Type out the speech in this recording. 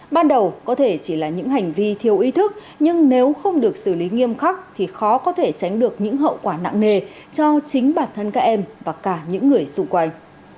ban đầu có thể chỉ là những hành vi thiếu ý thức nhưng nếu không được xử lý nghiêm khắc thì khó có thể tránh được những hậu quả nặng nề cho chính bản thân các em và cả những người xung quanh